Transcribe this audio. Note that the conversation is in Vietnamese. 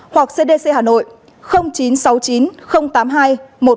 hoặc cdc hà nội chín trăm tám mươi ba bảy trăm tám mươi sáu sáu trăm bốn mươi sáu